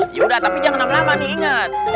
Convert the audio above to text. yaudah tapi jangan lama lama nih inget